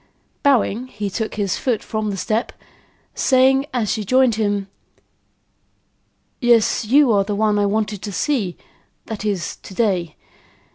Bowing, he took his foot from the step, saying, as she joined him: "Yes, you are the one I wanted to see; that is, to day.